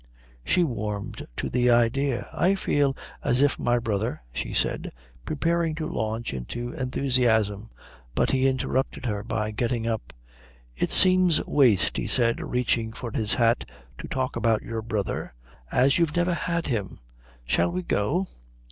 She warmed to the idea. "I feel as if my brother " she said, preparing to launch into enthusiasm; but he interrupted her by getting up. "It seems waste," he said, reaching for his hat, "to talk about your brother, as you've never had him. Shall we go?"